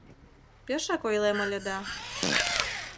— Пешак ойлем ыле да...